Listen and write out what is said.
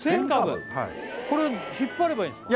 これ引っ張ればいいんですか？